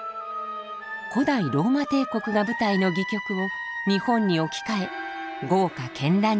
古代ローマ帝国が舞台の戯曲を日本に置き換え豪華絢爛に描きました。